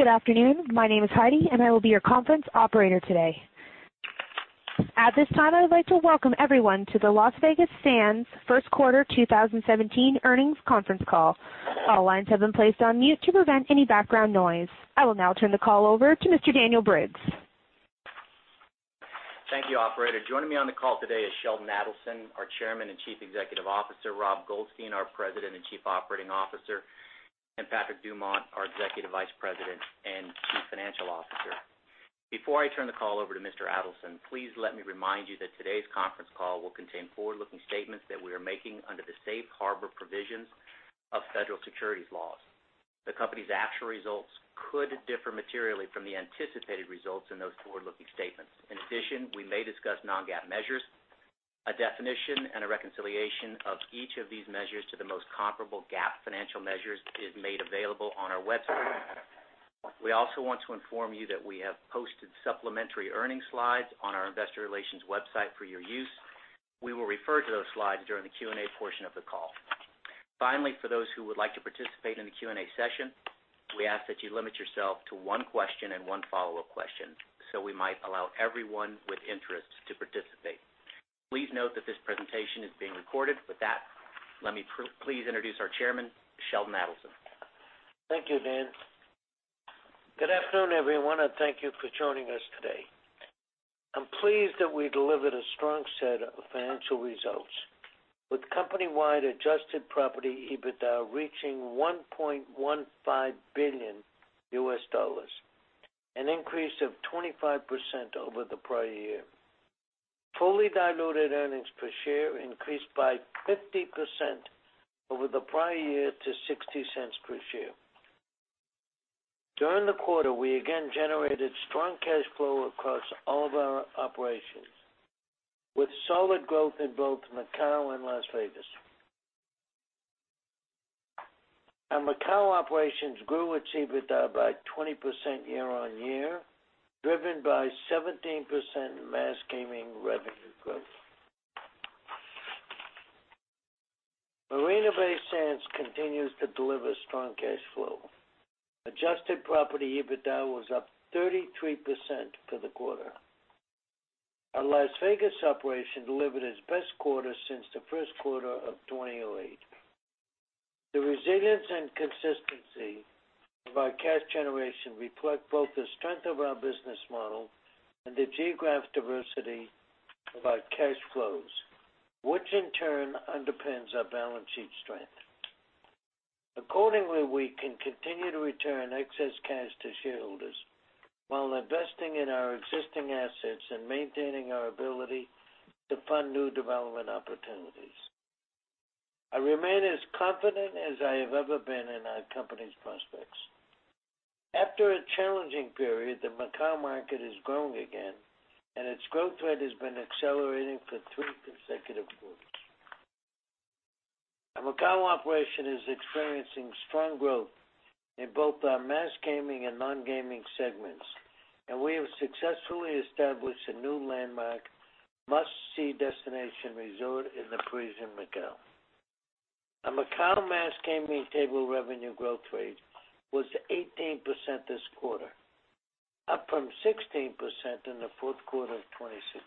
Good afternoon. My name is Heidi, and I will be your conference operator today. At this time, I would like to welcome everyone to the Las Vegas Sands First Quarter 2017 Earnings Conference Call. All lines have been placed on mute to prevent any background noise. I will now turn the call over to Mr. Daniel Briggs. Thank you, operator. Joining me on the call today is Sheldon Adelson, our Chairman and Chief Executive Officer, Robert Goldstein, our President and Chief Operating Officer, and Patrick Dumont, our Executive Vice President and Chief Financial Officer. Before I turn the call over to Mr. Adelson, please let me remind you that today's conference call will contain forward-looking statements that we are making under the safe harbor provisions of federal securities laws. In addition, we may discuss non-GAAP measures. A definition and a reconciliation of each of these measures to the most comparable GAAP financial measures is made available on our website. We also want to inform you that we have posted supplementary earnings slides on our investor relations website for your use. We will refer to those slides during the Q&A portion of the call. Finally, for those who would like to participate in the Q&A session, we ask that you limit yourself to one question and one follow-up question so we might allow everyone with interest to participate. Please note that this presentation is being recorded. With that, let me please introduce our chairman, Sheldon Adelson. Thank you, Dan. Good afternoon, everyone, and thank you for joining us today. I'm pleased that we delivered a strong set of financial results, with company-wide adjusted property EBITDA reaching $1.15 billion, an increase of 25% over the prior year. Fully diluted earnings per share increased by 50% over the prior year to $0.60 per share. During the quarter, we again generated strong cash flow across all of our operations, with solid growth in both Macau and Las Vegas. Our Macau operations grew its EBITDA by 20% year-on-year, driven by 17% mass gaming revenue growth. Marina Bay Sands continues to deliver strong cash flow. Adjusted property EBITDA was up 33% for the quarter. Our Las Vegas operation delivered its best quarter since the first quarter of 2008. The resilience and consistency of our cash generation reflect both the strength of our business model and the geographic diversity of our cash flows, which in turn underpins our balance sheet strength. Accordingly, we can continue to return excess cash to shareholders while investing in our existing assets and maintaining our ability to fund new development opportunities. I remain as confident as I have ever been in our company's prospects. After a challenging period, the Macau market is growing again, and its growth rate has been accelerating for three consecutive quarters. Our Macau operation is experiencing strong growth in both our mass gaming and non-gaming segments, and we have successfully established a new landmark must-see destination resort in The Parisian Macao. Our Macau mass gaming table revenue growth rate was 18% this quarter, up from 16% in the fourth quarter of 2016.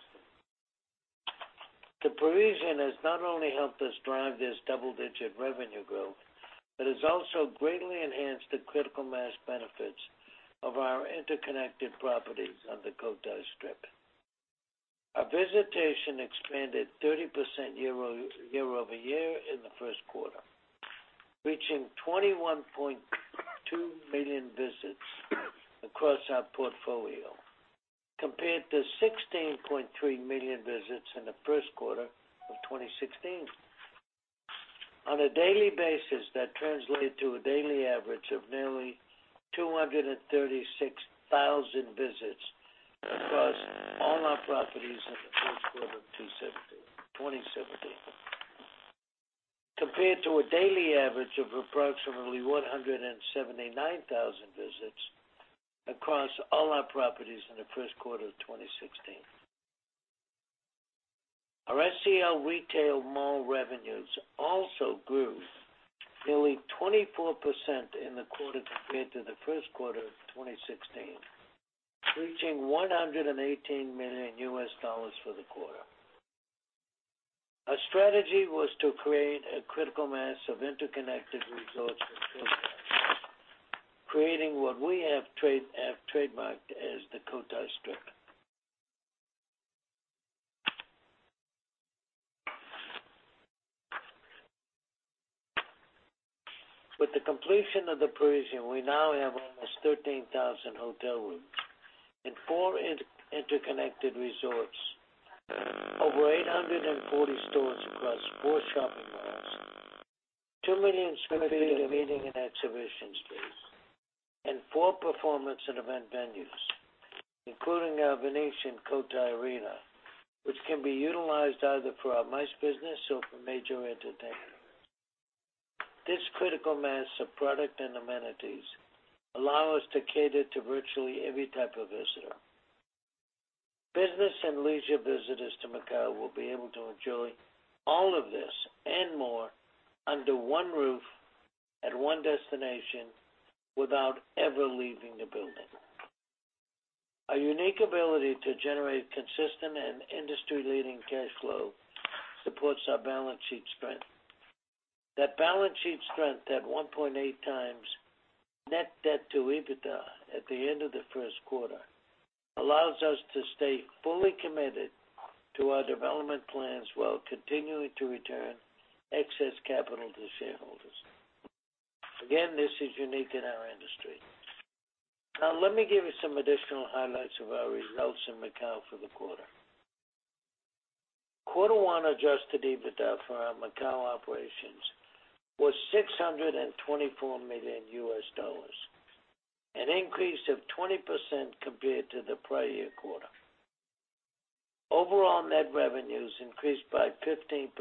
The Parisian has not only helped us drive this double-digit revenue growth, but has also greatly enhanced the critical mass benefits of our interconnected properties on the Cotai Strip. Our visitation expanded 30% year-over-year in the first quarter, reaching 21.2 million visits across our portfolio, compared to 16.3 million visits in the first quarter of 2016. On a daily basis, that translated to a daily average of nearly 236,000 visits across all our properties in the first quarter of 2017, compared to a daily average of approximately 179,000 visits across all our properties in the first quarter of 2016. Our SCL retail mall revenues also grew nearly 24% in the quarter compared to the first quarter of 2016, reaching $118 million for the quarter. Our strategy was to create a critical mass of interconnected resorts in Cotai, creating what we have trademarked as The Cotai Strip. With the completion of the Parisian, we now have almost 13,000 hotel rooms in four interconnected resorts, over 840 stores across four shopping malls, two million sq ft of meeting and exhibition space, and four performance and event venues, including our Venetian Cotai Arena, which can be utilized either for our MICE business or for major entertainment. This critical mass of product and amenities allow us to cater to virtually every type of visitor. Business and leisure visitors to Macau will be able to enjoy all of this and more under one roof, at one destination, without ever leaving the building. Our unique ability to generate consistent and industry-leading cash flow supports our balance sheet strength. That balance sheet strength at 1.8 times net debt to EBITDA at the end of the first quarter allows us to stay fully committed to our development plans, while continuing to return excess capital to shareholders. This is unique in our industry. Let me give you some additional highlights of our results in Macau for the quarter. Quarter one adjusted EBITDA for our Macau operations was $624 million, an increase of 20% compared to the prior year quarter. Overall net revenues increased by 15%,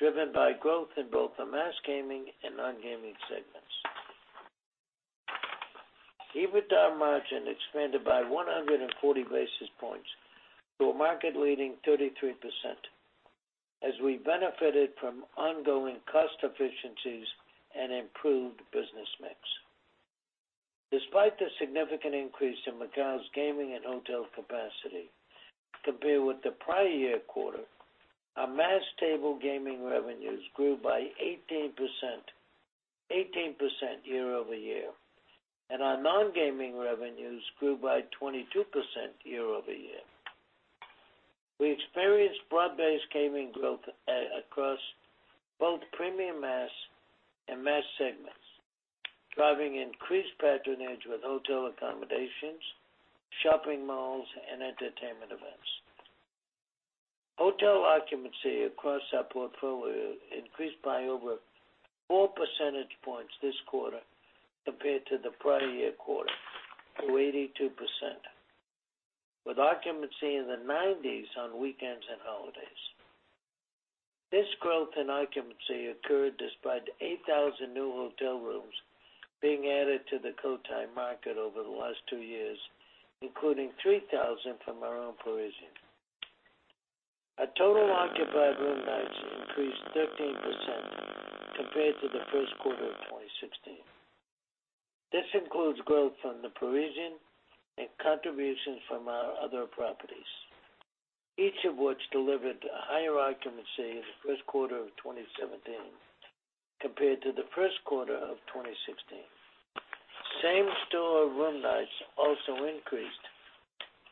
driven by growth in both the mass gaming and non-gaming segments. EBITDA margin expanded by 140 basis points to a market-leading 33% as we benefited from ongoing cost efficiencies and improved business mix. Despite the significant increase in Macau's gaming and hotel capacity compared with the prior year quarter, our mass table gaming revenues grew by 18% year-over-year, and our non-gaming revenues grew by 22% year-over-year. We experienced broad-based gaming growth across both premium mass and mass segments, driving increased patronage with hotel accommodations, shopping malls, and entertainment events. Hotel occupancy across our portfolio increased by over four percentage points this quarter compared to the prior year quarter to 82%, with occupancy in the 90s on weekends and holidays. This growth in occupancy occurred despite 8,000 new hotel rooms being added to the Cotai market over the last two years, including 3,000 from our own Parisian. Our total occupied room nights increased 13% compared to the first quarter of 2016. This includes growth from The Parisian and contributions from our other properties, each of which delivered a higher occupancy in the first quarter of 2017 compared to the first quarter of 2016. Same-store room nights also increased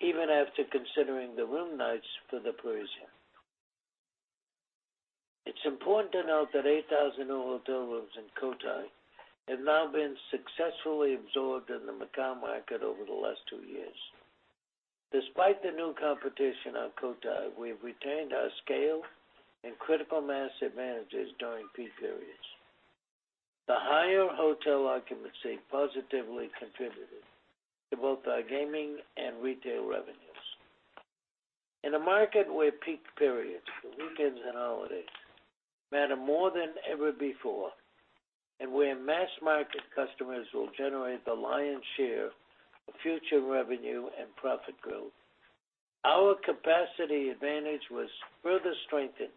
even after considering the room nights for The Parisian. It's important to note that 8,000 new hotel rooms in Cotai have now been successfully absorbed in the Macau market over the last two years. Despite the new competition on Cotai, we have retained our scale and critical mass advantages during peak periods. The higher hotel occupancy positively contributed to both our gaming and retail revenues. In a market where peak periods, the weekends and holidays, matter more than ever before, and where mass-market customers will generate the lion's share of future revenue and profit growth, our capacity advantage was further strengthened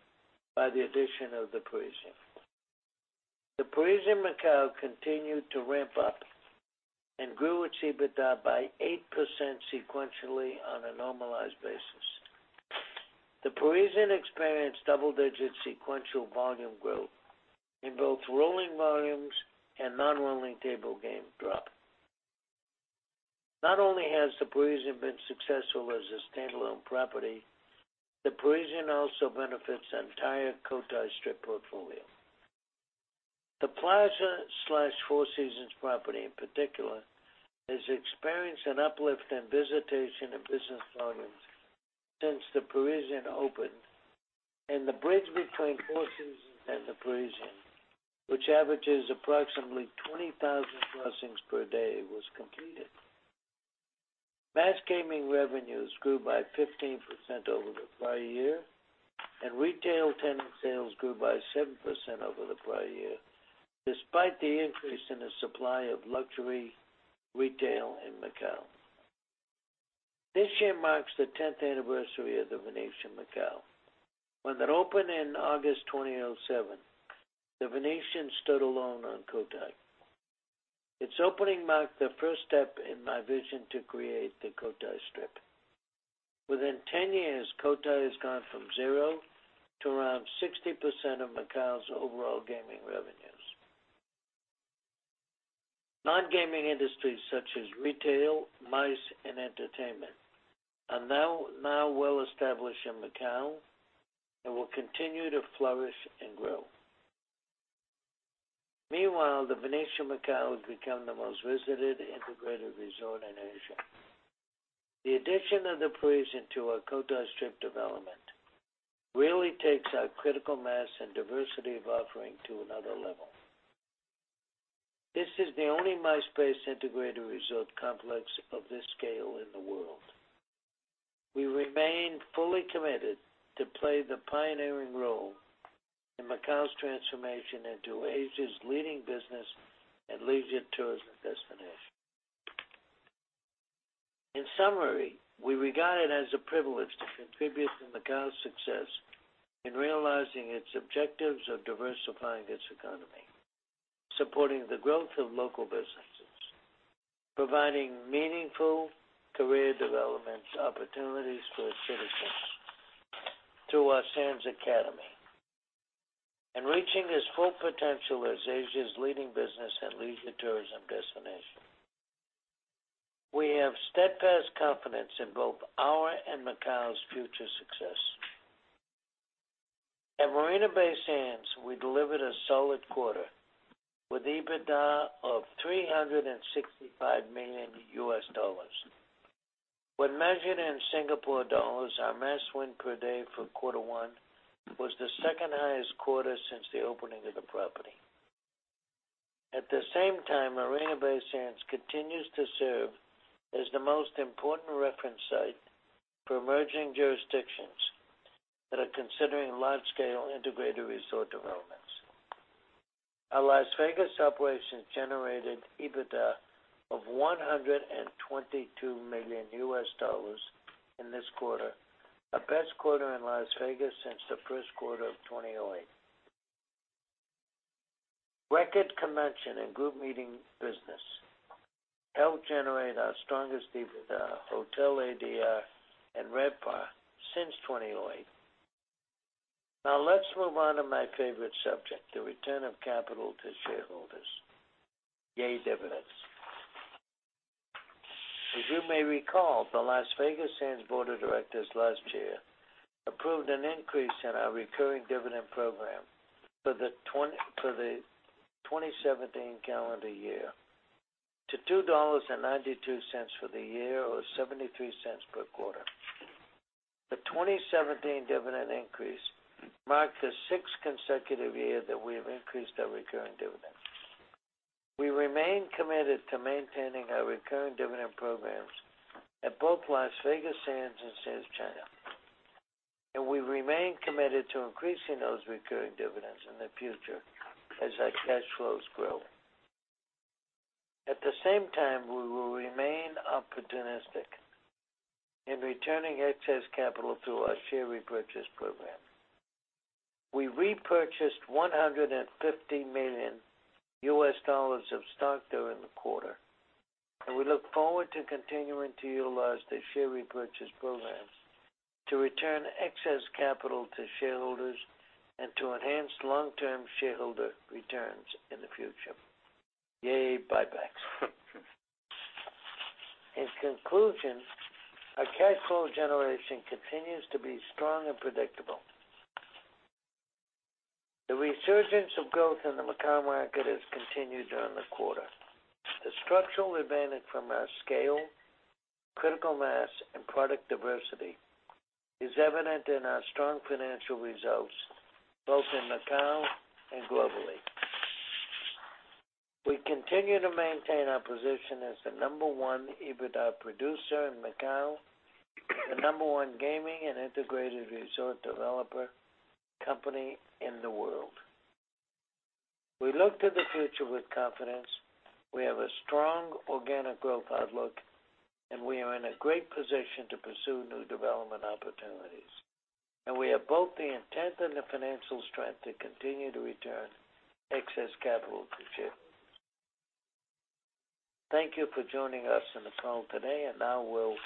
by the addition of The Parisian. The Parisian Macao continued to ramp up and grew its EBITDA by 8% sequentially on a normalized basis. The Parisian experienced double-digit sequential volume growth in both rolling volumes and non-rolling table game drop. Not only has The Parisian been successful as a standalone property, The Parisian also benefits the entire Cotai Strip portfolio. The Plaza/Four Seasons property, in particular, has experienced an uplift in visitation and business volumes since The Parisian opened, and the bridge between Four Seasons and The Parisian, which averages approximately 20,000 crossings per day, was completed. Mass gaming revenues grew by 15% over the prior year, and retail tenant sales grew by 7% over the prior year, despite the increase in the supply of luxury retail in Macau. This year marks the 10th anniversary of The Venetian Macao. When it opened in August 2007, The Venetian stood alone on Cotai. Its opening marked the first step in my vision to create the Cotai Strip. Within 10 years, Cotai has gone from zero to around 60% of Macau's overall gaming revenues. Non-gaming industries such as retail, MICE, and entertainment are now well established in Macau and will continue to flourish and grow. Meanwhile, The Venetian Macao has become the most visited integrated resort in Asia. The addition of The Parisian to our Cotai Strip development really takes our critical mass and diversity of offering to another level. This is the only MICE-based integrated resort complex of this scale in the world. We remain fully committed to play the pioneering role in Macau's transformation into Asia's leading business and leisure tourism destination. In summary, we regard it as a privilege to contribute to Macau's success in realizing its objectives of diversifying its economy, supporting the growth of local businesses, providing meaningful career development opportunities for its citizens through our Sands Academy, and reaching its full potential as Asia's leading business and leisure tourism destination. We have steadfast confidence in both our and Macau's future success. At Marina Bay Sands, we delivered a solid quarter with EBITDA of $365 million. When measured in Singapore dollars, our mass win per day for quarter one was the second highest quarter since the opening of the property. At the same time, Marina Bay Sands continues to serve as the most important reference site for emerging jurisdictions that are considering large-scale integrated resort developments. Our Las Vegas operations generated EBITDA of $122 million in this quarter, a best quarter in Las Vegas since the first quarter of 2008. Record convention and group meeting business helped generate our strongest EBITDA, hotel ADR, and RevPAR since 2008. Let's move on to my favorite subject, the return of capital to shareholders. Yay, dividends. As you may recall, the Las Vegas Sands Board of Directors last year approved an increase in our recurring dividend program for the 2017 calendar year to $2.92 for the year, or $0.73 per quarter. The 2017 dividend increase marked the sixth consecutive year that we have increased our recurring dividends. We remain committed to maintaining our recurring dividend programs at both Las Vegas Sands and Sands China, and we remain committed to increasing those recurring dividends in the future as our cash flows grow. At the same time, we will remain opportunistic in returning excess capital through our share repurchase program. We repurchased $150 million of stock during the quarter, and we look forward to continuing to utilize the share repurchase program to return excess capital to shareholders and to enhance long-term shareholder returns in the future. Yay, buybacks. In conclusion, our cash flow generation continues to be strong and predictable. The resurgence of growth in the Macau market has continued during the quarter. The structural advantage from our scale, critical mass, and product diversity is evident in our strong financial results, both in Macau and globally. We continue to maintain our position as the number one EBITDA producer in Macau, the number one gaming and integrated resort developer company in the world. We look to the future with confidence. We have a strong organic growth outlook, and we are in a great position to pursue new development opportunities, and we have both the intent and the financial strength to continue to return excess capital to shareholders. Thank you for joining us on the call today, and now we'll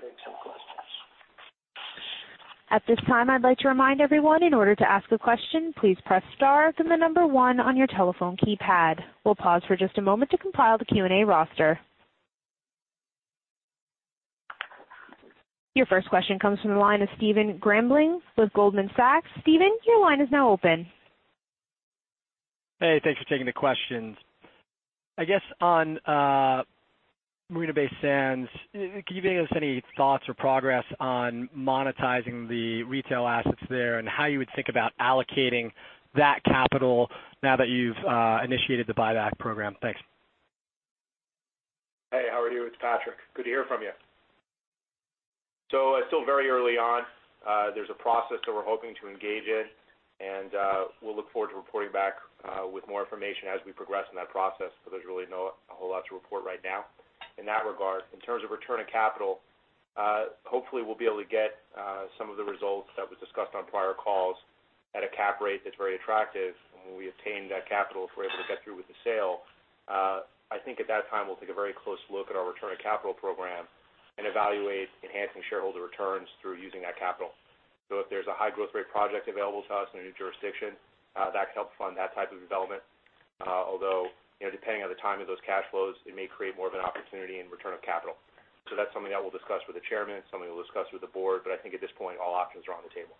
take some questions. At this time, I'd like to remind everyone, in order to ask a question, please press star, then the number one on your telephone keypad. We'll pause for just a moment to compile the Q&A roster. Your first question comes from the line of Stephen Grambling with Goldman Sachs. Stephen, your line is now open. Hey, thanks for taking the questions. I guess on Marina Bay Sands, can you give us any thoughts or progress on monetizing the retail assets there, and how you would think about allocating that capital now that you've initiated the buyback program? Thanks. Hey, how are you? It's Patrick. Good to hear from you. It's still very early on. There's a process that we're hoping to engage in, we'll look forward to reporting back with more information as we progress in that process, there's really not a whole lot to report right now in that regard. In terms of return of capital, hopefully we'll be able to get some of the results that was discussed on prior calls at a cap rate that's very attractive. When we obtain that capital, if we're able to get through with the sale, I think at that time, we'll take a very close look at our return of capital program and evaluate enhancing shareholder returns through using that capital. If there's a high growth rate project available to us in a new jurisdiction, that could help fund that type of development. Although, depending on the timing of those cash flows, it may create more of an opportunity in return of capital. That's something that we'll discuss with the chairman, something we'll discuss with the board, I think at this point, all options are on the table.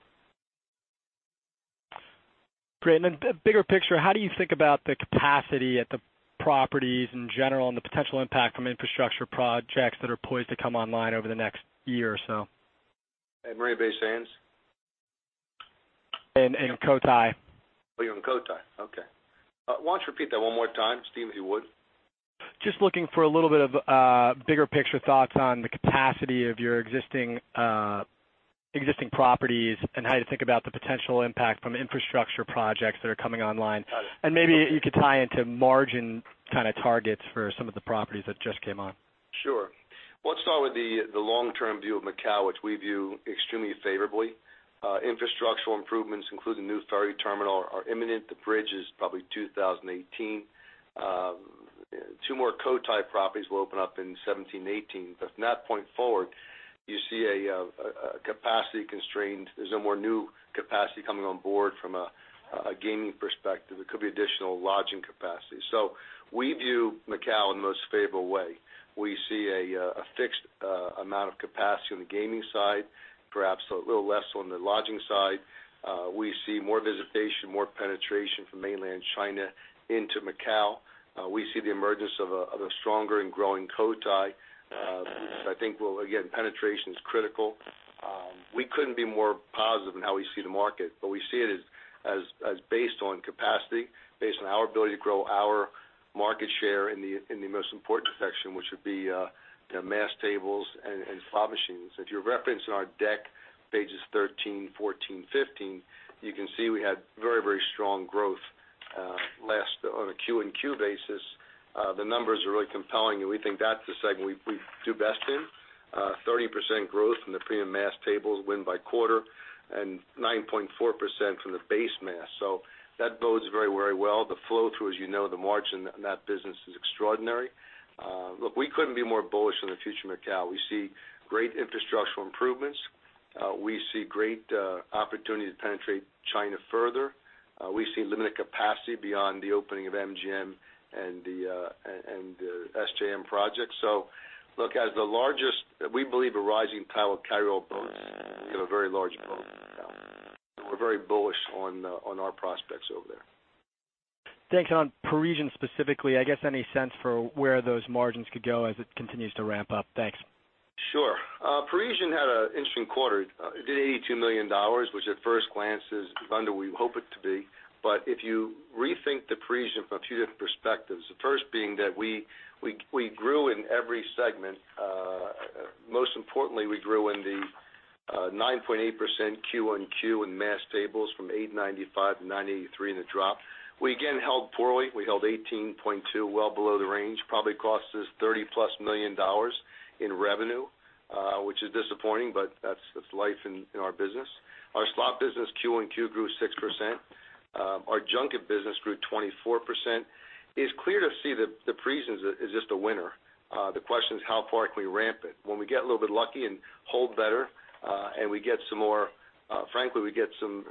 Great. Then bigger picture, how do you think about the capacity at the properties in general, and the potential impact from infrastructure projects that are poised to come online over the next year or so? At Marina Bay Sands? In Cotai. Oh, in Cotai. Okay. Why don't you repeat that one more time, Stephen, if you would? Just looking for a little bit of bigger picture thoughts on the capacity of your existing properties and how you think about the potential impact from infrastructure projects that are coming online. Maybe you could tie into margin targets for some of the properties that just came on. Sure. Well, let's start with the long-term view of Macau, which we view extremely favorably. Infrastructural improvements, including new ferry terminal, are imminent. The bridge is probably 2018. Two more Cotai properties will open up in 2017 and 2018. From that point forward, you see a capacity constraint. There's no more new capacity coming on board from a gaming perspective. It could be additional lodging capacity. We view Macau in the most favorable way. We see a fixed amount of capacity on the gaming side, perhaps a little less on the lodging side. We see more visitation, more penetration from mainland China into Macau. We see the emergence of a stronger and growing Cotai, which I think will, again, penetration is critical. We couldn't be more positive in how we see the market, we see it as based on capacity, based on our ability to grow our market share in the most important section, which would be the mass tables and slot machines. If you're referencing our deck, pages 13, 14, 15, you can see we had very strong growth last on a Q and Q basis. The numbers are really compelling, and we think that's the segment we do best in. 30% growth from the premium mass tables win by quarter, and 9.4% from the base mass. That bodes very well. The flow through, as you know, the margin on that business is extraordinary. Look, we couldn't be more bullish on the future of Macau. We see great infrastructural improvements. We see great opportunity to penetrate China further. We see limited capacity beyond the opening of MGM and the SJM project. Look, as the largest, we believe a rising tide will carry all boats. We have a very large boat in Macau. We're very bullish on our prospects over there. Thanks. On Parisian specifically, I guess any sense for where those margins could go as it continues to ramp up? Thanks. Sure. Parisian had an interesting quarter. It did $82 million, which at first glance is under we hope it to be. If you rethink the Parisian from a few different perspectives, the first being that we grew in every segment. Most importantly, we grew in the 9.8% Q1-Q in mass tables from $895 million to $983 million in the drop. We again held poorly. We held 18.2%, well below the range, probably cost us $30-plus million in revenue, which is disappointing, that's life in our business. Our slot business Q1-Q grew 6%. Our junket business grew 24%. It's clear to see that the Parisian is just a winner. The question is, how far can we ramp it? When we get a little bit lucky and hold better, frankly, we get the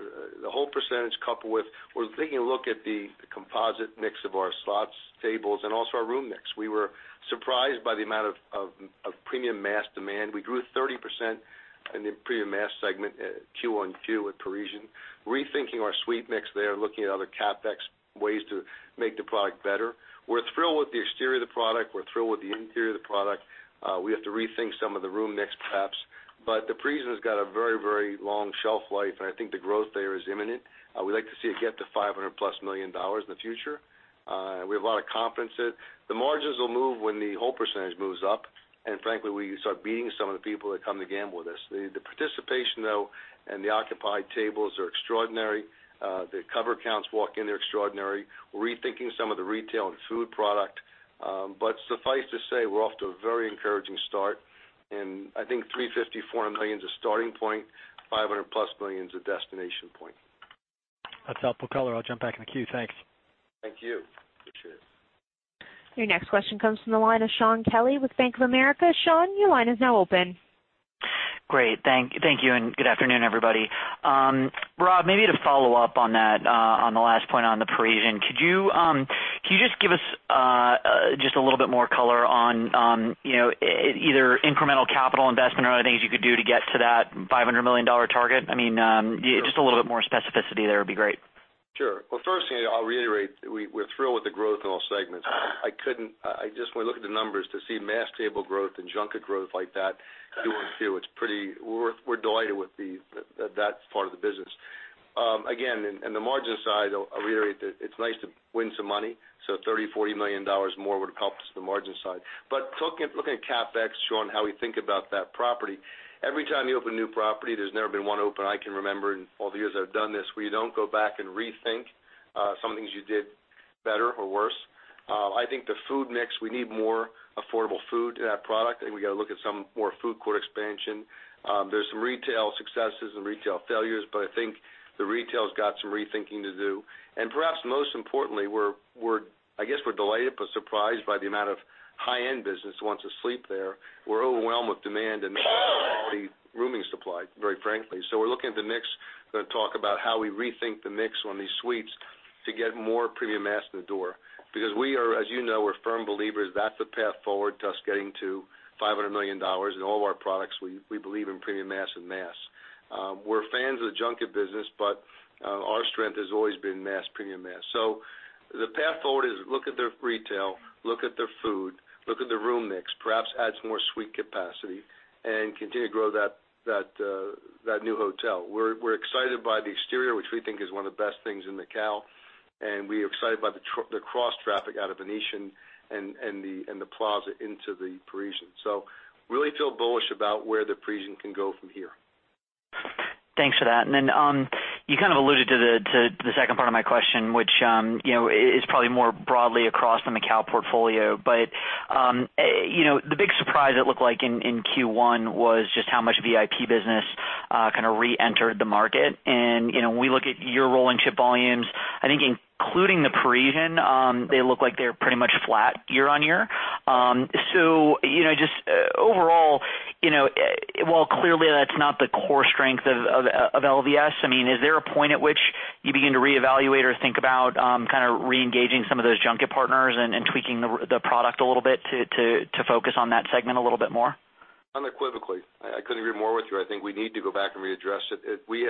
hold percentage coupled with, we're taking a look at the composite mix of our slots, tables, and also our room mix. We were surprised by the amount of premium mass demand. We grew 30% in the premium mass segment Q1-Q with Parisian. Rethinking our suite mix there, looking at other CapEx ways to make the product better. We're thrilled with the exterior of the product. We're thrilled with the interior of the product. We have to rethink some of the room mix perhaps. The Parisian has got a very long shelf life, and I think the growth there is imminent. We'd like to see it get to $500-plus million in the future. We have a lot of confidence in it. The margins will move when the hold percentage moves up, frankly, we start beating some of the people that come to gamble with us. The participation, though, and the occupied tables are extraordinary. The cover counts walk in, they're extraordinary. We're rethinking some of the retail and food product. Suffice to say, we're off to a very encouraging start. I think $350 million, $400 million is a starting point, $500-plus million is a destination point. That's helpful color. I'll jump back in the queue. Thanks. Thank you. Appreciate it. Your next question comes from the line of Shaun Kelley with Bank of America. Shaun, your line is now open. Great. Thank you, good afternoon, everybody. Rob, maybe to follow up on that, on the last point on the Parisian, could you just give us just a little bit more color on either incremental capital investment or other things you could do to get to that $500 million target? I mean, just a little bit more specificity there would be great. First thing, I'll reiterate, we're thrilled with the growth in all segments. I just want to look at the numbers to see mass table growth and junket growth like that Q1. We're delighted with that part of the business. Again, in the margin side, I'll reiterate that it's nice to win some money. $30 million, $40 million more would help us with the margin side. Looking at CapEx, Shaun, how we think about that property, every time you open a new property, there's never been one open I can remember in all the years I've done this, where you don't go back and rethink some things you did better or worse. I think the food mix, we need more affordable food in that product, and we got to look at some more food court expansion. There's some retail successes and retail failures, I think the retail's got some rethinking to do. Perhaps most importantly, I guess we're delighted but surprised by the amount of high-end business who wants to sleep there. We're overwhelmed with demand and not enough quality rooming supply, very frankly. We're looking at the mix. Going to talk about how we rethink the mix on these suites to get more premium mass in the door. We are, as you know, we're firm believers that's the path forward to us getting to $500 million in all of our products. We believe in premium mass and mass. We're fans of the junket business, but our strength has always been mass, premium mass. The path forward is look at their retail, look at their food Look at the room mix, perhaps adds more suite capacity and continue to grow that new hotel. We're excited by the exterior, which we think is one of the best things in Macau, and we are excited about the cross-traffic out of Venetian and Plaza into Parisian. Really feel bullish about where Parisian can go from here. Thanks for that. Then you kind of alluded to the second part of my question, which is probably more broadly across the Macau portfolio, the big surprise it looked like in Q1 was just how much VIP business kind of re-entered the market. When we look at your rolling chip volumes, I think including Parisian, they look like they're pretty much flat year-on-year. Just overall, while clearly that's not the core strength of LVS, is there a point at which you begin to reevaluate or think about kind of re-engaging some of those junket partners and tweaking the product a little bit to focus on that segment a little bit more? Unequivocally. I couldn't agree more with you. I think we need to go back and readdress it. We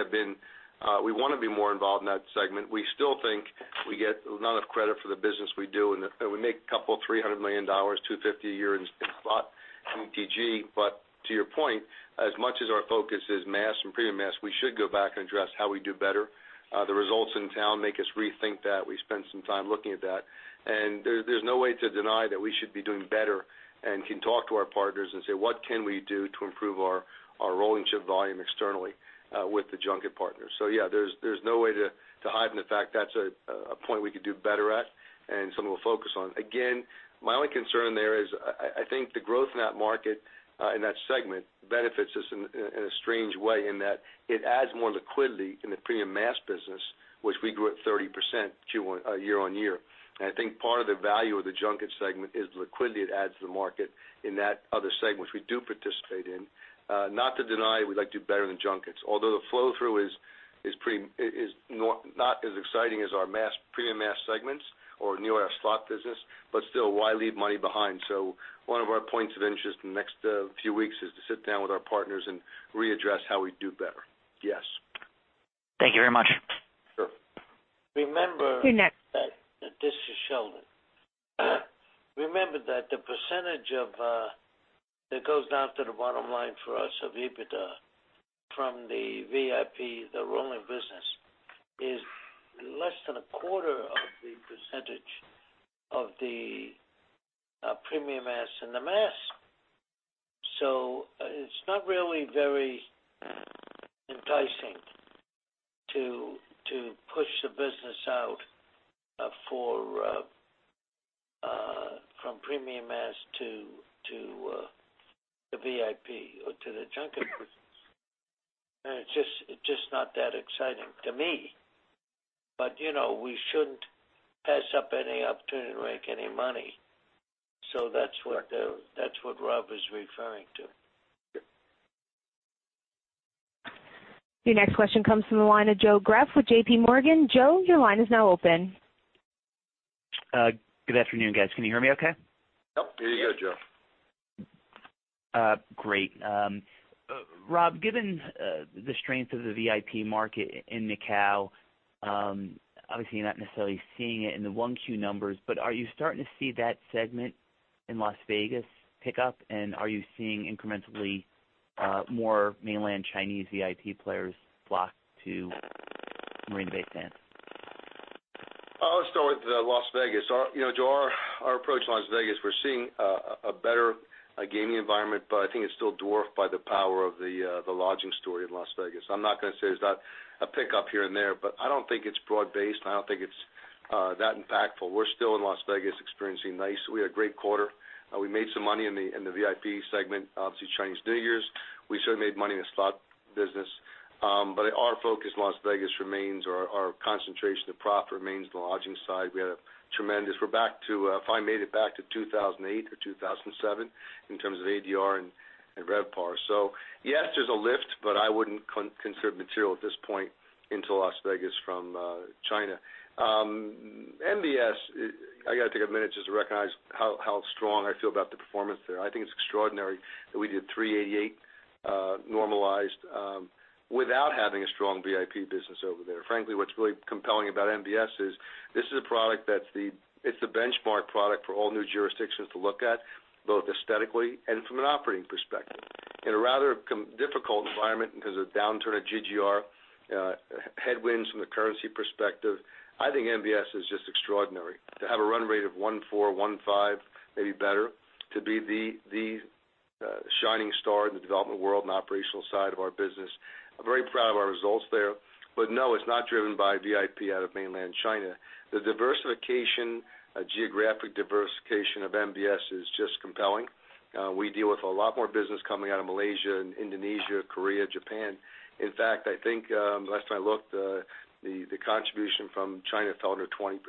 want to be more involved in that segment. We still think we get none of credit for the business we do, and we make a couple, $300 million, $250 million a year in slot MTG. To your point, as much as our focus is mass and premium mass, we should go back and address how we do better. The results in town make us rethink that. We spend some time looking at that, and there's no way to deny that we should be doing better and can talk to our partners and say, "What can we do to improve our rolling chip volume externally, with the junket partners?" Yeah, there's no way to hide from the fact that's a point we could do better at and something we'll focus on. Again, my only concern there is, I think the growth in that market, in that segment, benefits us in a strange way in that it adds more liquidity in the premium mass business, which we grew at 30% year-over-year. I think part of the value of the junket segment is the liquidity it adds to the market in that other segment, which we do participate in. Not to deny we'd like to do better than junkets, although the flow-through is not as exciting as our premium mass segments or near our slot business. Still, why leave money behind? One of our points of interest in the next few weeks is to sit down with our partners and readdress how we do better. Yes. Thank you very much. Sure. Remember that. Your next- This is Sheldon. Remember that the percentage that goes down to the bottom line for us of EBITDA from the VIP, the rolling business, is less than a quarter of the percentage of the premium mass and the mass. It's not really very enticing to push the business out from premium mass to the VIP or to the junket business. It's just not that exciting to me. We shouldn't pass up any opportunity to make any money. That's what Rob is referring to. Sure. Your next question comes from the line of Joseph Greff with J.P. Morgan. Joe, your line is now open. Good afternoon, guys. Can you hear me okay? Yep, there you go, Joe. Great. Rob, given the strength of the VIP market in Macao, obviously, you're not necessarily seeing it in the Q1 numbers, but are you starting to see that segment in Las Vegas pick up? Are you seeing incrementally more mainland Chinese VIP players flock to Marina Bay Sands? I'll start with Las Vegas. Joe, our approach in Las Vegas, we're seeing a better gaming environment, but I think it's still dwarfed by the power of the lodging story in Las Vegas. I'm not going to say there's not a pickup here and there, but I don't think it's broad-based. I don't think it's that impactful. We're still in Las Vegas experiencing. We had a great quarter. We made some money in the VIP segment, obviously, Chinese New Year. We certainly made money in the slot business. Our focus in Las Vegas remains, or our concentration of profit remains the lodging side. We had a tremendous. If I made it back to 2008 or 2007 in terms of ADR and RevPAR. Yes, there's a lift, but I wouldn't consider it material at this point into Las Vegas from China. MBS, I got to take a minute just to recognize how strong I feel about the performance there. I think it's extraordinary that we did $388 normalized without having a strong VIP business over there. Frankly, what's really compelling about MBS is this is a product that's the benchmark product for all new jurisdictions to look at, both aesthetically and from an operating perspective. In a rather difficult environment because of downturn of GGR, headwinds from the currency perspective, I think MBS is just extraordinary. To have a run rate of $144, $155, maybe better, to be the shining star in the development world and the operational side of our business. I'm very proud of our results there. No, it's not driven by VIP out of mainland China. The geographic diversification of MBS is just compelling. We deal with a lot more business coming out of Malaysia and Indonesia, Korea, Japan. In fact, I think last time I looked, the contribution from China fell under 20%,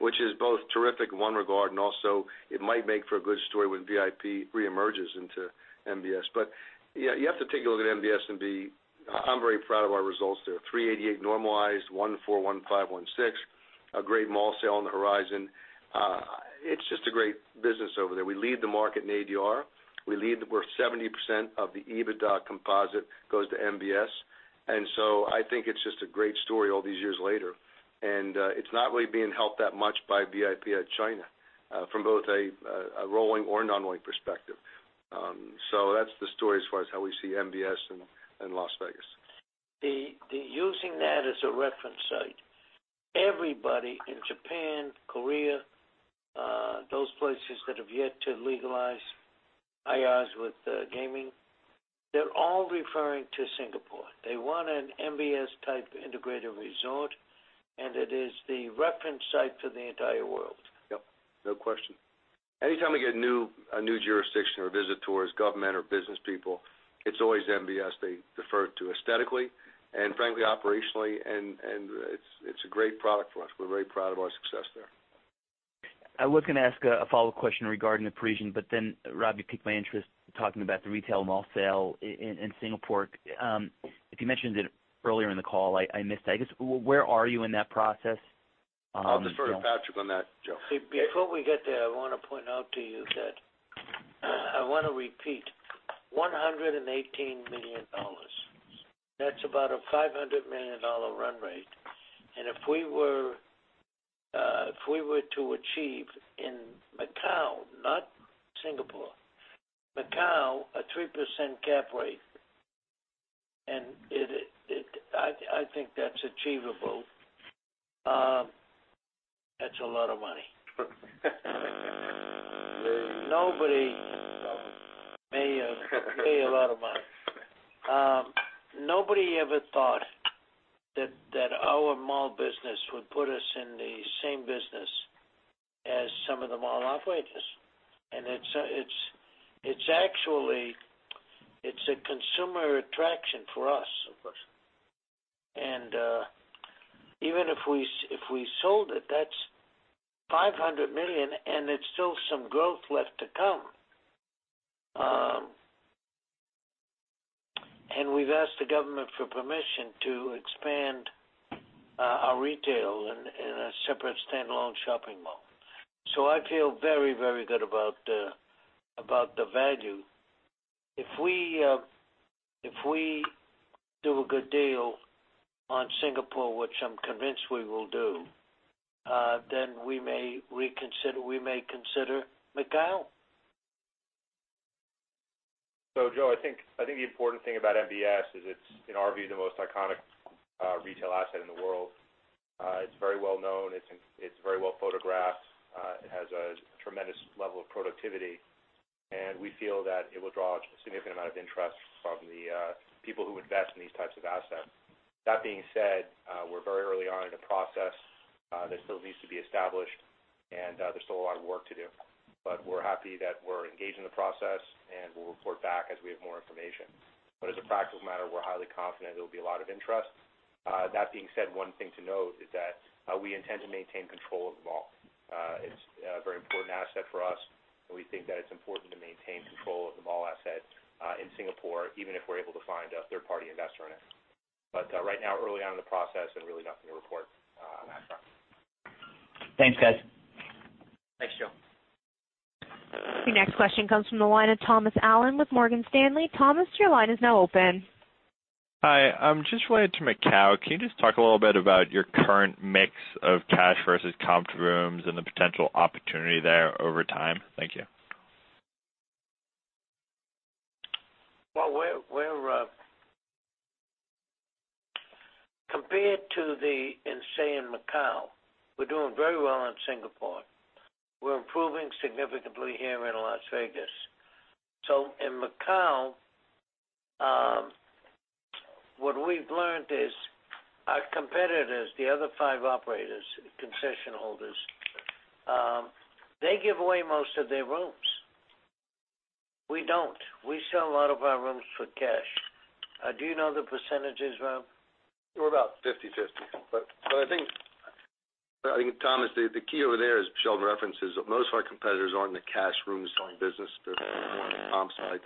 which is both terrific in one regard, and also it might make for a good story when VIP reemerges into MBS. You have to take a look at MBS and I'm very proud of our results there, $388 normalized, $144, $155, $160. A great mall sale on the horizon. It's just a great business over there. We lead the market in ADR. We're 70% of the EBITDA composite goes to MBS. I think it's just a great story all these years later, and it's not really being helped that much by VIP at China, from both a rolling or non-rolling perspective. That's the story as far as how we see MBS in Las Vegas. Using that as a reference site, everybody in Japan, Korea, those places that have yet to legalize IRs with gaming, they're all referring to Singapore. They want an MBS-type integrated resort, and it is the reference site for the entire world. Yep, no question. Anytime we get a new jurisdiction or visitors, government or business people, it's always MBS they refer to aesthetically and frankly, operationally, and it's a great product for us. We're very proud of our success there. I was going to ask a follow-up question regarding the Parisian, but then Rob, you piqued my interest talking about the retail mall sale in Singapore. If you mentioned it earlier in the call, I missed it, I guess. Where are you in that process? I'll defer to Patrick on that, Joe. Before we get there, I want to point out to you that I want to repeat $118 million. That's about a $500 million run rate. If we were to achieve in Macau, not Singapore, Macau, a 3% cap rate, and I think that's achievable, that's a lot of money. Pay you a lot of money. Nobody ever thought that our mall business would put us in the same business as some of the mall operators. It's actually a consumer attraction for us. Of course. Even if we sold it, that's $500 million, and it's still some growth left to come. We've asked the government for permission to expand our retail in a separate standalone shopping mall. I feel very, very good about the value. If we do a good deal on Singapore, which I'm convinced we will do, we may consider Macau. Joe, I think the important thing about MBS is it's, in our view, the most iconic retail asset in the world. It's very well known. It's very well photographed. It has a tremendous level of productivity, and we feel that it will draw a significant amount of interest from the people who invest in these types of assets. That being said, we're very early on in the process. This still needs to be established, and there's still a lot of work to do. We're happy that we're engaged in the process, and we'll report back as we have more information. As a practical matter, we're highly confident there'll be a lot of interest. That being said, one thing to note is that we intend to maintain control of the mall. It's a very important asset for us, and we think that it's important to maintain control of the mall asset in Singapore, even if we're able to find a third-party investor in it. Right now, early on in the process and really nothing to report on that front. Thanks, guys. Thanks, Joe. Your next question comes from the line of Thomas Allen with Morgan Stanley. Thomas, your line is now open. Hi, just related to Macau, can you just talk a little bit about your current mix of cash versus comped rooms and the potential opportunity there over time? Thank you. Well, compared to the, in Macau, we're doing very well in Singapore. We're improving significantly here in Las Vegas. In Macau, what we've learned is our competitors, the other five operators, concession holders, they give away most of their rooms. We don't. We sell a lot of our rooms for cash. Do you know the percentages, Rob? We're about 50/50. But I think, Thomas, the key over there, as Sheldon references, most of our competitors are in the cash room selling business. They're more on the comp side.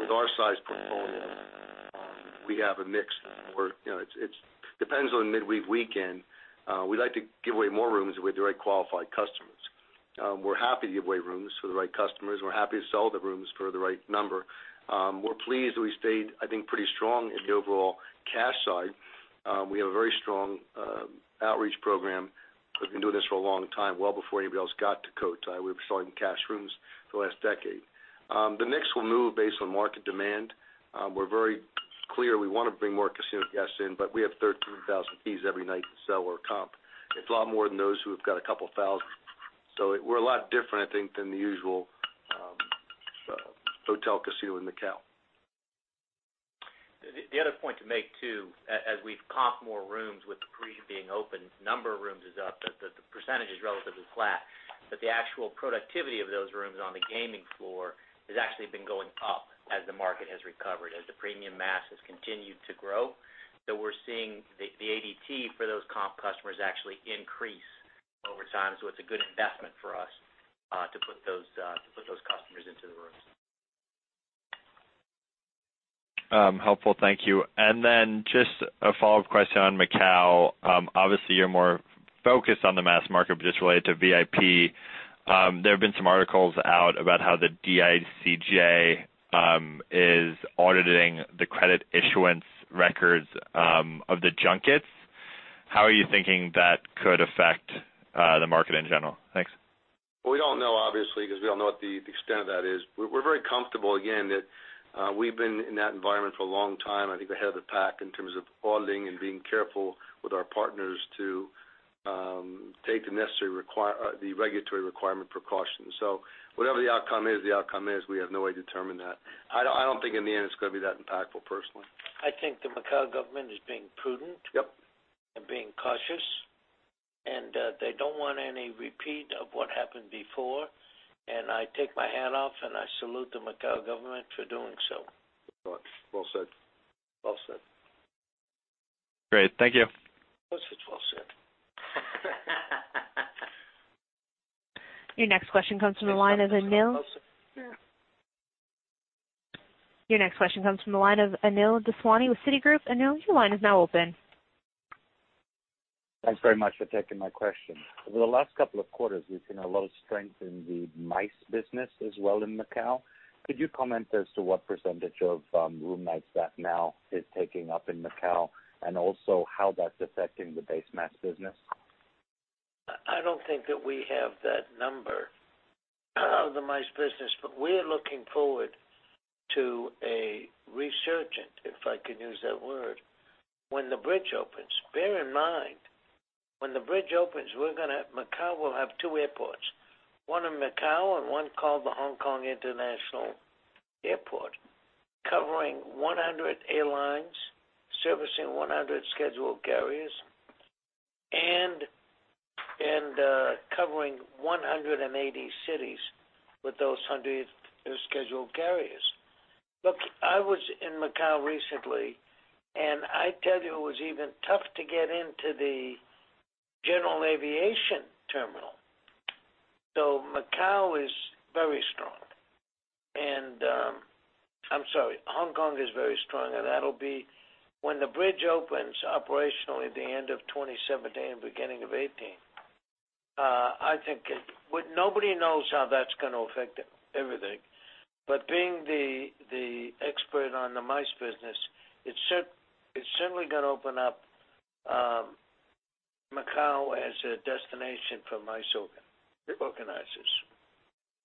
With our size portfolio, we have a mix where it depends on midweek, weekend. We like to give away more rooms with the right qualified customers. We're happy to give away rooms for the right customers. We're happy to sell the rooms for the right number. We're pleased that we stayed, I think, pretty strong in the overall cash side. We have a very strong outreach program. We've been doing this for a long time, well before anybody else got to Cotai. We were selling cash rooms for the last decade. The mix will move based on market demand. We're very clear we want to bring more casino guests in, but we have 13,000 fees every night to sell or comp. It's a lot more than those who have got a 2,000. So we're a lot different, I think, than the usual hotel casino in Macau. The other point to make, too, as we've comped more rooms with The Parisian being open, number of rooms is up. The percentage is relatively flat, but the actual productivity of those rooms on the gaming floor has actually been going up as the market has recovered, as the premium mass has continued to grow. So we're seeing the ADT for those comp customers actually increase over time. So it's a good investment for us to put those customers into the rooms. Helpful. Thank you. Just a follow-up question on Macau. Obviously, you're more focused on the mass market, but just related to VIP. There have been some articles out about how the DICJ is auditing the credit issuance records of the junkets. How are you thinking that could affect the market in general? Thanks. Well, we don't know, obviously, because we don't know what the extent of that is. We're very comfortable, again, that we've been in that environment for a long time. I think we're ahead of the pack in terms of auditing and being careful with our partners to take the necessary regulatory requirement precautions. Whatever the outcome is, the outcome is. We have no way to determine that. I don't think in the end it's going to be that impactful, personally. I think the Macau government is being prudent- Yep Being cautious, and they don't want any repeat of what happened before, and I take my hat off and I salute the Macau government for doing so. Well said. Well said. Great. Thank you. What's the well said? Your next question comes from the line of Anil- Well said. Your next question comes from the line of Anil Daswani with Citigroup. Anil, your line is now open. Thanks very much for taking my question. Over the last couple of quarters, we've seen a low strength in the MICE business as well in Macau. Could you comment as to what % of room nights that now is taking up in Macau, and also how that's affecting the base mass business? I don't think that we have that number of the MICE business. We're looking forward to a resurgent, if I can use that word, when the bridge opens. Bear in mind, when the bridge opens, Macau will have two airports, one in Macau and one called the Hong Kong International Airport, covering 100 airlines, servicing 100 scheduled carriers, and covering 180 cities with those 100 scheduled carriers. I was in Macau recently, and I tell you, it was even tough to get into the general aviation terminal. Macau is very strong and I'm sorry, Hong Kong is very strong, and that'll be when the bridge opens operationally at the end of 2017, beginning of 2018. Nobody knows how that's going to affect everything. Being the expert on the MICE business, it's certainly going to open up Macau as a destination for MICE organizers.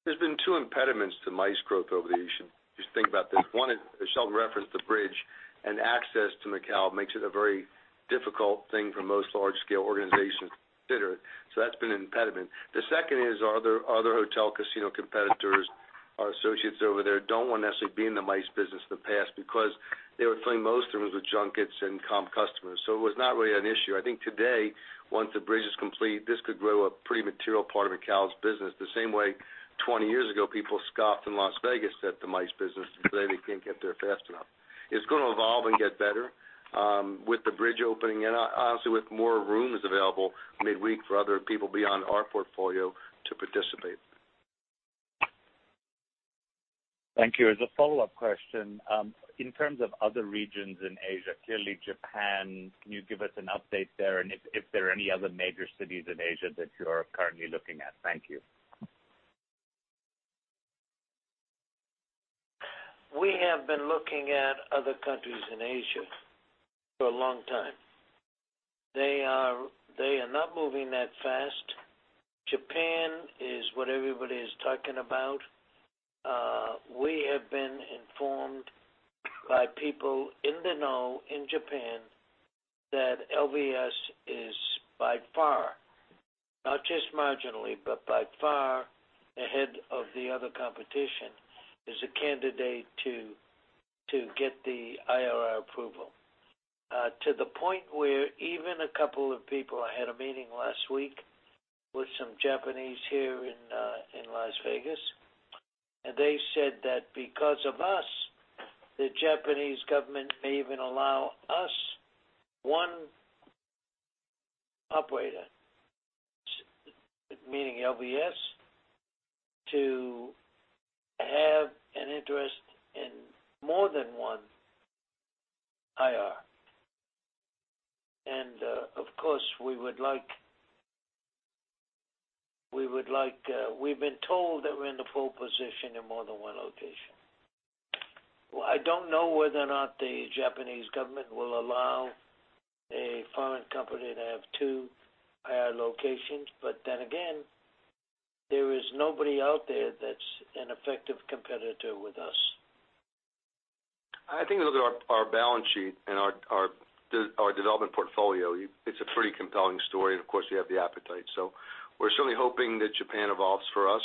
There's been two impediments to MICE growth over the Asia. Just think about this. One is, as Sheldon referenced, the bridge, and access to Macau makes it a very difficult thing for most large-scale organizations to consider. That's been an impediment. The second is our other hotel casino competitors, our associates over there don't want to necessarily be in the MICE business in the past because they were filling most of them with junkets and comp customers, so it was not really an issue. I think today, once the bridge is complete, this could grow a pretty material part of Macau's business, the same way 20 years ago, people scoffed in Las Vegas at the MICE business, and today they can't get there fast enough. It's going to evolve and get better with the bridge opening and, honestly, with more rooms available midweek for other people beyond our portfolio to participate. Thank you. As a follow-up question, in terms of other regions in Asia, clearly Japan, can you give us an update there, and if there are any other major cities in Asia that you are currently looking at? Thank you. We have been looking at other countries in Asia for a long time. They are not moving that fast. Japan is what everybody is talking about. We have been informed by people in the know in Japan that LVS is by far, not just marginally, but by far ahead of the other competition as a candidate to get the IR approval. To the point where even a couple of people, I had a meeting last week with some Japanese here in Las Vegas, and they said that because of us, the Japanese government may even allow us one operator, meaning LVS, to have an interest in more than one IR. Of course, we've been told that we're in the pole position in more than one location. I don't know whether or not the Japanese government will allow a foreign company to have two IR locations. Again, there is nobody out there that's an effective competitor with us. I think if you look at our balance sheet and our development portfolio, it's a pretty compelling story. Of course, we have the appetite. We're certainly hoping that Japan evolves for us.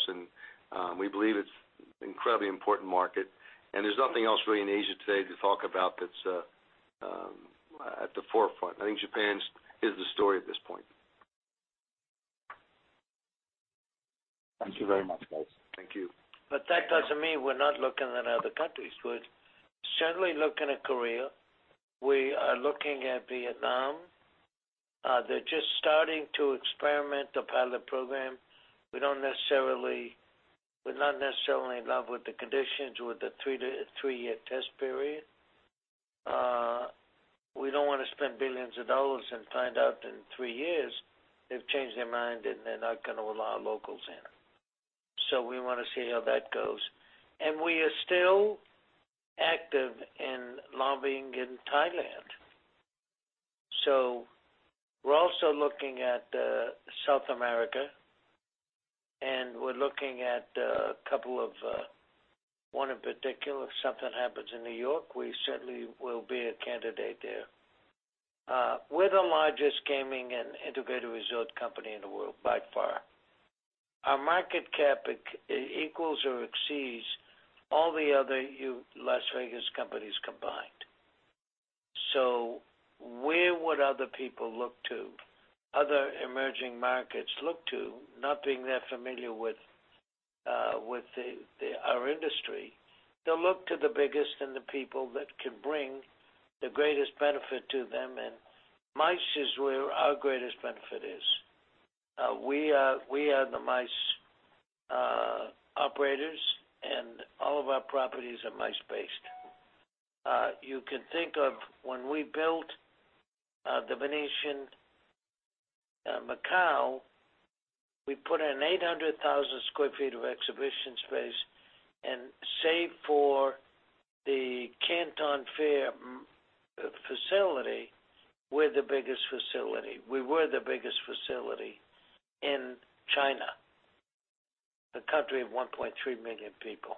We believe it's incredibly important market. There's nothing else really in Asia today to talk about that's at the forefront. I think Japan is the story at this point. Thank you very much, guys. Thank you. That doesn't mean we're not looking in other countries. We're certainly looking at Korea. We are looking at Vietnam. They're just starting to experiment the pilot program. We're not necessarily in love with the conditions with the three-year test period Spend billions of dollars and find out in three years they've changed their mind, and they're not going to allow locals in. We want to see how that goes. We are still active in lobbying in Thailand. We're also looking at South America, and we're looking at one in particular. If something happens in New York, we certainly will be a candidate there. We're the largest gaming and integrated resort company in the world by far. Our market cap equals or exceeds all the other Las Vegas companies combined. Where would other people look to, other emerging markets look to, not being that familiar with our industry? They'll look to the biggest and the people that can bring the greatest benefit to them, and MICE is where our greatest benefit is. We are the MICE operators, and all of our properties are MICE-based. You can think of when we built The Venetian Macao, we put in 800,000 sq ft of exhibition space, and save for the Canton Fair facility, we're the biggest facility. We were the biggest facility in China, a country of 1.3 million people.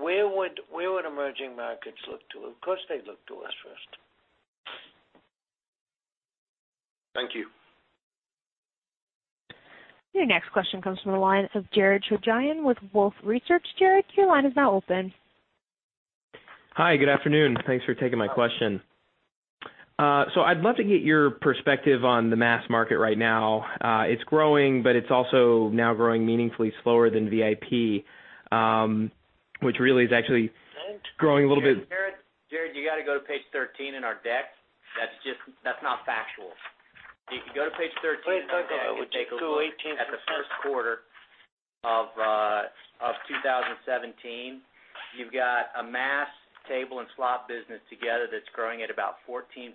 Where would emerging markets look to? Of course, they'd look to us first. Thank you. Your next question comes from the line of Jared Shojaian with Wolfe Research. Jared, your line is now open. Hi, good afternoon. Thanks for taking my question. I'd love to get your perspective on the mass market right now. It's growing, but it's also now growing meaningfully slower than VIP, which really is actually growing a little bit. Jared, you got to go to page 13 in our deck. That's not factual. If you go to page 13. Please go to page 18. At the first quarter of 2017, you've got a mass table and slot business together that's growing at about 14%,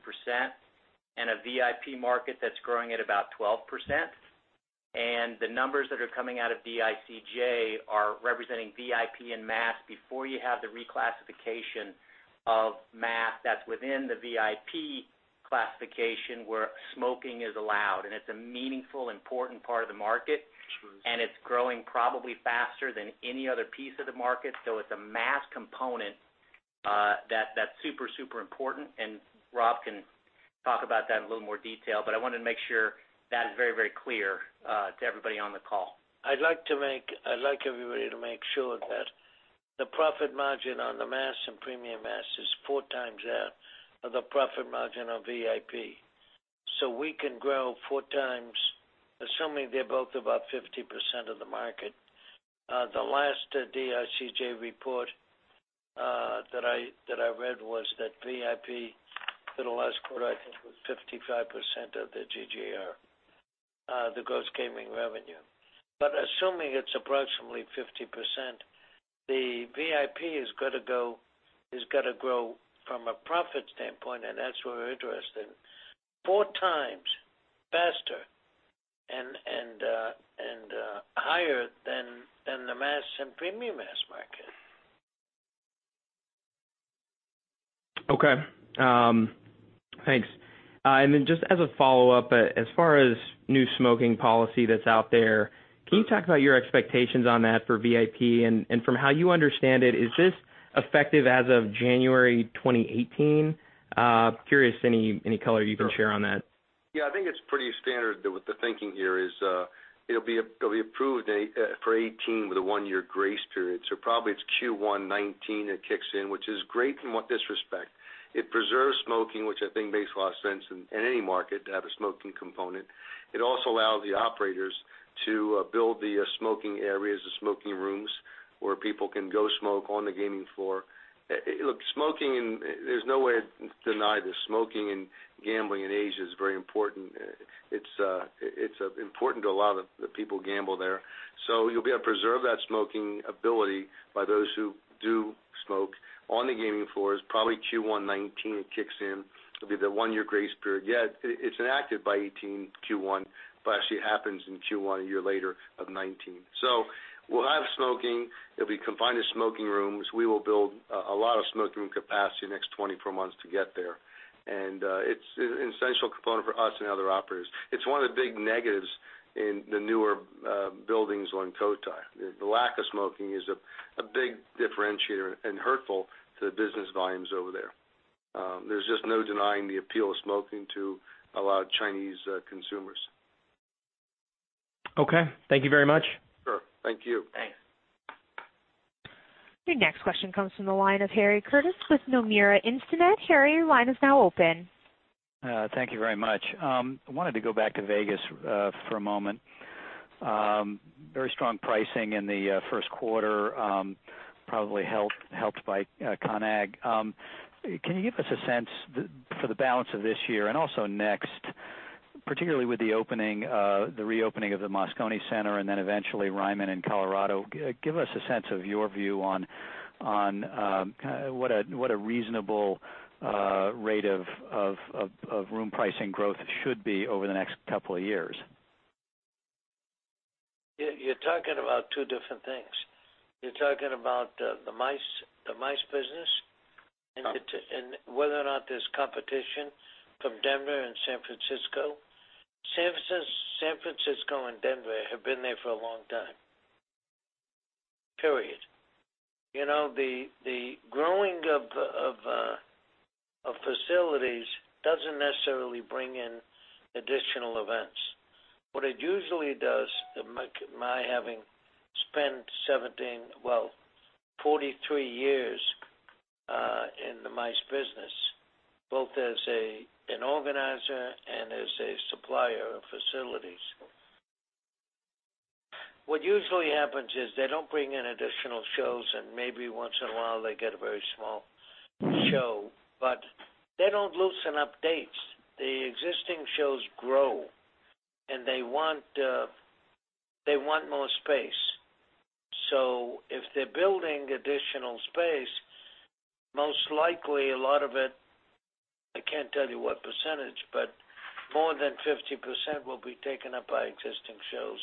and a VIP market that's growing at about 12%. The numbers that are coming out of DICJ are representing VIP and mass before you have the reclassification of mass that's within the VIP classification, where smoking is allowed, and it's a meaningful, important part of the market. True. It's growing probably faster than any other piece of the market. It's a mass component that's super important, and Robert Goldstein can talk about that in a little more detail, I wanted to make sure that is very clear to everybody on the call. I'd like everybody to make sure that the profit margin on the mass and premium mass is four times that of the profit margin of VIP. We can grow four times, assuming they're both about 50% of the market. The last DICJ report that I read was that VIP for the last quarter, I think, was 55% of the GGR, the gross gaming revenue. Assuming it's approximately 50%, the VIP is going to grow from a profit standpoint, and that's what we're interested in, four times faster and higher than the mass and premium mass market. Okay. Thanks. Just as a follow-up, as far as new smoking policy that's out there, can you talk about your expectations on that for VIP? From how you understand it, is this effective as of January 2018? Curious any color you can share on that. Yeah, I think it's pretty standard. The thinking here is it'll be approved for 2018 with a one-year grace period, probably it's Q1 2019 it kicks in, which is great in this respect. It preserves smoking, which I think makes a lot of sense in any market to have a smoking component. It also allows the operators to build the smoking areas, the smoking rooms where people can go smoke on the gaming floor. Look, there's no way to deny this. Smoking and gambling in Asia is very important. It's important to a lot of the people gamble there. You'll be able to preserve that smoking ability by those who do smoke on the gaming floors. Probably Q1 2019, it kicks in. It'll be the one-year grace period. Yeah, it's enacted by 2018 Q1, but actually happens in Q1 a year later of 2019. We'll have smoking. It'll be confined to smoking rooms. We will build a lot of smoke room capacity in the next 24 months to get there. It's an essential component for us and other operators. It's one of the big negatives in the newer buildings on Cotai. The lack of smoking is a big differentiator and hurtful to the business volumes over there. There's just no denying the appeal of smoking to a lot of Chinese consumers. Okay. Thank you very much. Sure. Thank you. Thanks. Your next question comes from the line of Harry Curtis with Nomura Instinet. Harry, your line is now open. Thank you very much. I wanted to go back to Vegas for a moment. Very strong pricing in the first quarter, probably helped by CON/AGG. Can you give us a sense for the balance of this year and also next? Particularly with the reopening of the Moscone Center and then eventually Ryman in Colorado, give us a sense of your view on what a reasonable rate of room pricing growth should be over the next couple of years. You're talking about two different things. You're talking about the MICE business and whether or not there's competition from Denver and San Francisco. San Francisco and Denver have been there for a long time. Period. The growing of facilities doesn't necessarily bring in additional events. What it usually does, my having spent 17, well, 43 years in the MICE business, both as an organizer and as a supplier of facilities. What usually happens is they don't bring in additional shows, and maybe once in a while they get a very small show, but they don't loosen up dates. The existing shows grow, and they want more space. If they're building additional space, most likely a lot of it, I can't tell you what percentage, but more than 50% will be taken up by existing shows.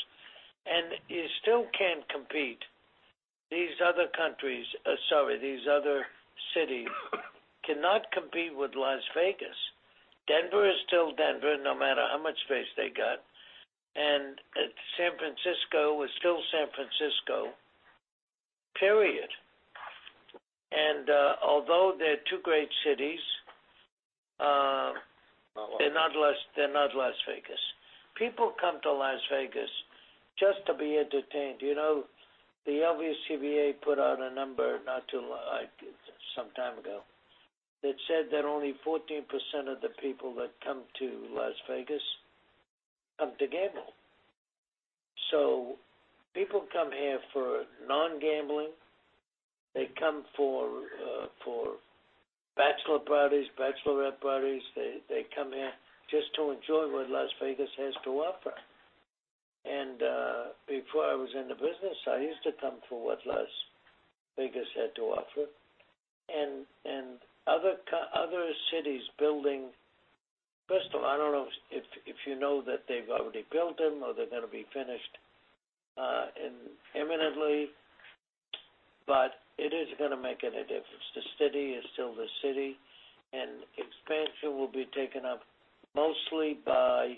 You still can't compete. These other cities cannot compete with Las Vegas. Denver is still Denver, no matter how much space they got. San Francisco is still San Francisco, period. Although they're two great cities, they're not Las Vegas. People come to Las Vegas just to be entertained. The LVCVA put out a number sometime ago that said that only 14% of the people that come to Las Vegas come to gamble. People come here for non-gambling. They come for bachelor parties, bachelorette parties. They come here just to enjoy what Las Vegas has to offer. Before I was in the business, I used to come for what Las Vegas had to offer. Other cities building First of all, I don't know if you know that they've already built them or they're going to be finished imminently, but it isn't going to make any difference. The city is still the city, and expansion will be taken up mostly by,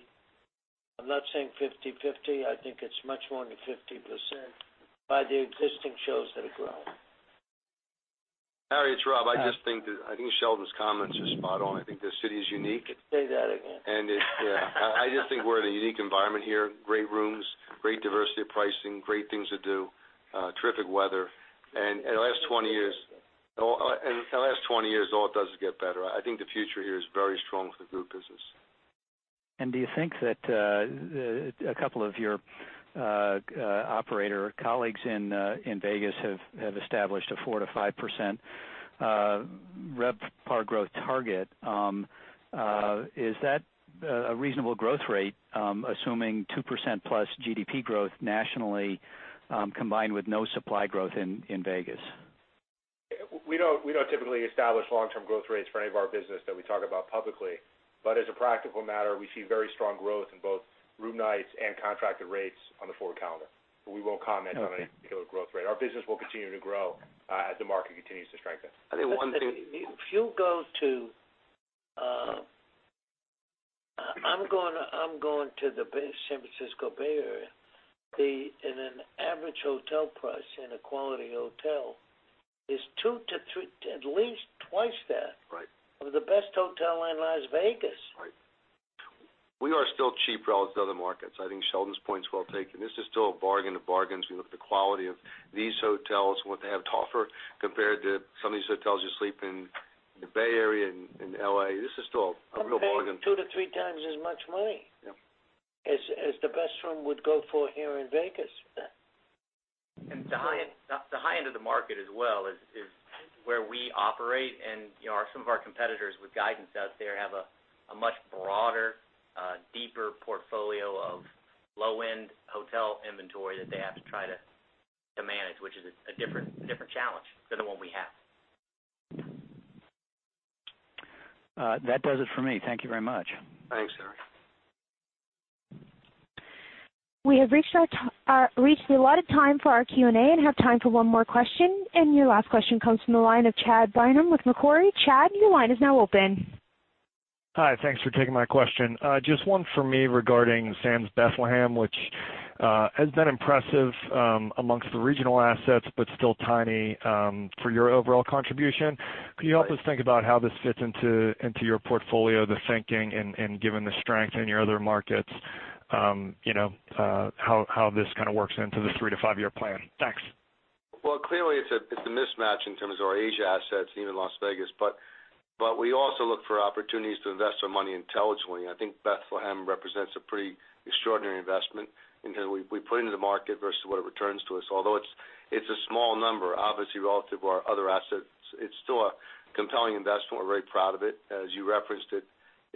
I'm not saying 50/50, I think it's much more than 50%, by the existing shows that have grown. Harry, it's Rob. I think Sheldon's comments are spot on. I think this city is unique. You can say that again. I just think we're in a unique environment here. Great rooms, great diversity of pricing, great things to do, terrific weather. The last 20 years, all it does is get better. I think the future here is very strong for the group business. Do you think that a couple of your operator colleagues in Vegas have established a 4%-5% RevPAR growth target? Is that a reasonable growth rate, assuming 2% plus GDP growth nationally, combined with no supply growth in Vegas? We don't typically establish long-term growth rates for any of our business that we talk about publicly. As a practical matter, we see very strong growth in both room nights and contracted rates on the forward calendar. We won't comment on any particular growth rate. Our business will continue to grow as the market continues to strengthen. If you go to I'm going to the San Francisco Bay Area. In an average hotel price, in a quality hotel, is at least twice that. Right of the best hotel in Las Vegas. Right. We are still cheap relative to other markets. I think Sheldon's point is well taken. This is still a bargain of bargains. We look at the quality of these hotels and what they have to offer compared to some of these hotels you sleep in the Bay Area and in L.A. This is still a real bargain. Paying two to three times as much money. Yeah as the best room would go for here in Vegas. The high end of the market as well is where we operate, and some of our competitors with guidance out there have a much broader, deeper portfolio of low-end hotel inventory that they have to try to manage, which is a different challenge than the one we have. That does it for me. Thank you very much. Thanks, Harry. We have reached the allotted time for our Q&A and have time for one more question. Your last question comes from the line of Chad Beynon with Macquarie. Chad, your line is now open. Hi. Thanks for taking my question. Just one for me regarding Sands Bethlehem, which has been impressive amongst the regional assets, but still tiny for your overall contribution. Could you help us think about how this fits into your portfolio, the thinking, and given the strength in your other markets, how this kind of works into the three-to-five-year plan? Thanks. Well, clearly it's a mismatch in terms of our Asia assets and even Las Vegas. We also look for opportunities to invest our money intelligently, and I think Bethlehem represents a pretty extraordinary investment in terms of we put into the market versus what it returns to us. Although it's a small number, obviously relative to our other assets, it's still a compelling investment. We're very proud of it. As you referenced, it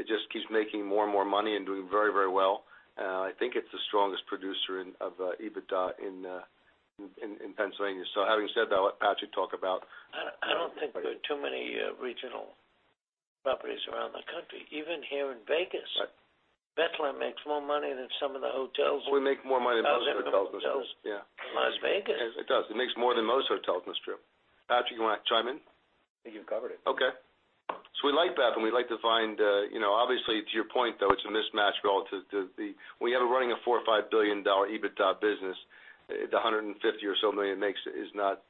just keeps making more and more money and doing very well. I think it's the strongest producer of EBITDA in Pennsylvania. Having said that, I'll let Patrick talk about- I don't think there are too many regional properties around the country, even here in Vegas. Right. Sands Bethlehem makes more money than some of the hotels. We make more money than most of the hotels. in Las Vegas. It does. It makes more than most hotels on the Strip. Patrick, you want to chime in? I think you covered it. Okay. We like Sands Bethlehem. Obviously, to your point, though, it's a mismatch relative to the When you're running a $4 billion or $5 billion EBITDA business, the $150 million or so it makes is not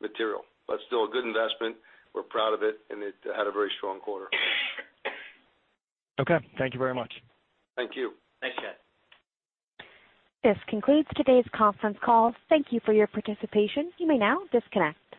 material. Still a good investment. We're proud of it, and it had a very strong quarter. Okay. Thank you very much. Thank you. Thanks, Chad. This concludes today's conference call. Thank you for your participation. You may now disconnect.